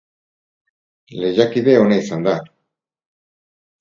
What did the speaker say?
Lehiakide ona izan da.